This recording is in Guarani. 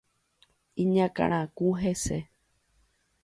Iñakãraku hese.